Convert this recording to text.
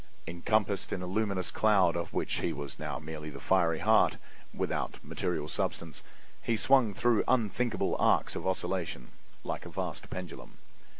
Encompassed in a luminous cloud, of which he was now merely the fiery heart, without material substance, he swung through unthinkable arcs of oscillation, like a vast pendulum.